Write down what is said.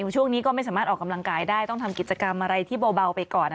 ช่วงนี้ก็ไม่สามารถออกกำลังกายได้ต้องทำกิจกรรมอะไรที่เบาไปก่อน